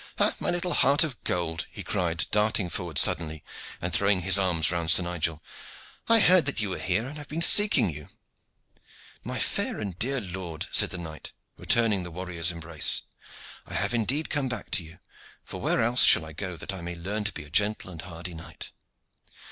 "Ha, my little heart of gold!" he cried, darting forward suddenly and throwing his arms round Sir Nigel. "I heard that you were here and have been seeking you." "My fair and dear lord," said the knight, returning the warrior's embrace, "I have indeed come back to you, for where else shall I go that I may learn to be a gentle and a hardy knight?"